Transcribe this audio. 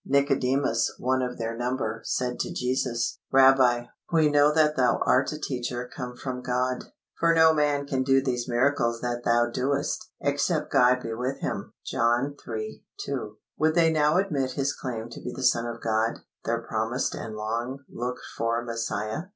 Nicodemus, one of their number, said to Jesus, "Rabbi, we know that Thou art a teacher come from God: for no man can do these miracles that Thou doest, except God be with him" (John iii. 2). Would they now admit His claim to be the Son of God, their promised and long looked for Messiah?